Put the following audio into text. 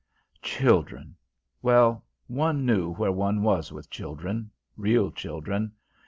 Children! Well, one knew where one was with children real children.